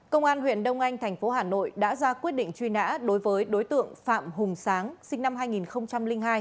công an huyện đông anh thành phố hà nội đã ra quyết định truy nã đối với đối tượng phạm hùng sáng sinh năm hai nghìn hai